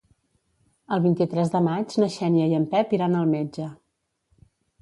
El vint-i-tres de maig na Xènia i en Pep iran al metge.